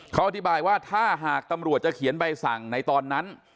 เขาอธิบายว่าถ้าหากตำรวจจะเขียนใบสั่งในตอนนั้น